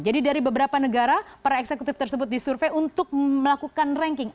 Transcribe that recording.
jadi dari beberapa negara para eksekutif tersebut disurvei untuk melakukan ranking